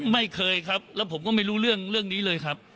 ไม่เคยครับแล้วผมก็ไม่รู้เรื่องนี้เลยครับ